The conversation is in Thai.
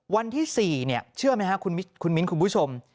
วันที่๔เนี่ยเชื่อไหมคุณมิ้นท์คุณผู้ชม